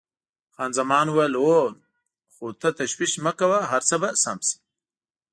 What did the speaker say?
خان زمان وویل: هو، خو ته تشویش مه کوه، هر څه به سم شي.